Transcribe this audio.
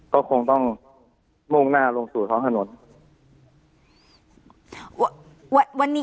ก็คงต้องมุ่งหน้าลงสู่ท้องถนน